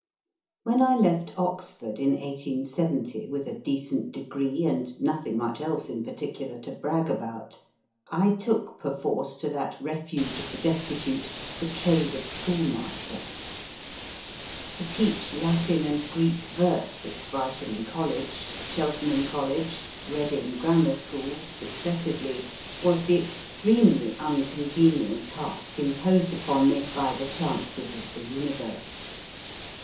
When I left Oxford in 1870, with a decent degree and nothing much else in particular to brag about, I took perforce to that refuge of the destitute, the trade of schoolmaster. To teach Latin and Greek verse at Brighton College, Chelten ham College, Reading Grammar School, successively, was the 44 MY FIRST BOOK extremely uncongenial task imposed upon me by the chances of the universe.